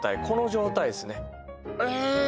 この状態ですねえ